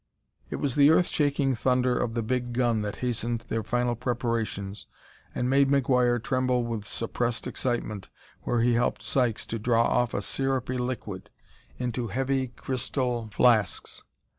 It was the earth shaking thunder of the big gun that hastened their final preparations and made McGuire tremble with suppressed excitement where he helped Sykes to draw off a syrupy liquid into heavy crystal flasks.